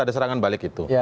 ada serangan balik itu